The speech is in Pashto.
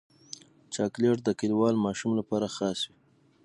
چاکلېټ د کلیوال ماشوم لپاره خاص وي.